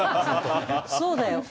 そうだよ。